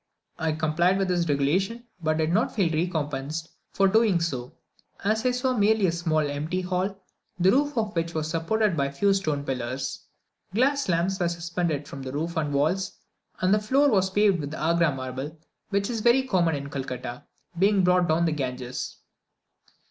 I complied with this regulation, but did not feel recompensed for so doing, as I saw merely a small empty hall, the roof of which was supported by a few stone pillars. Glass lamps were suspended from the roof and walls, and the floor was paved with Agra marble, which is very common in Calcutta, being brought down the Ganges.